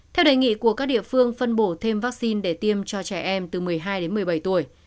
theo đề nghị của các địa phương phân bổ thêm vaccine để tiêm cho trẻ em từ một mươi hai đến một mươi bảy tuổi